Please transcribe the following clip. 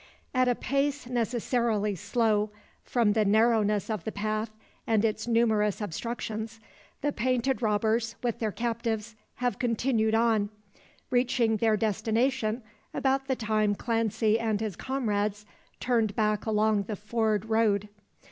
At a pace necessarily slow, from the narrowness of the path and its numerous obstructions, the painted robbers, with their captives, have continued on; reaching their destination about the time Clancy and his comrades turned back along the ford road.